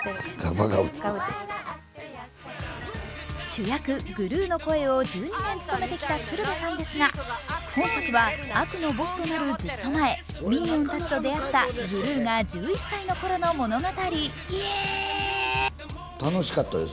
主役・グルーの声を１２年務めてきた鶴瓶さんですが、今作は悪のボスとなるずっと前、ミニオンたちとであったグルーが１１歳の頃の物語。